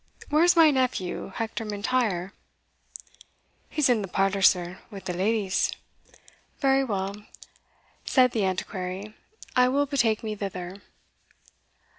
Where's my nephew, Hector M'Intyre?" "He's in the parlour, sir, wi' the leddies." "Very well," said the Antiquary, "I will betake me thither."